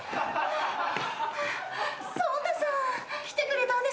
草太さん来てくれたんですね。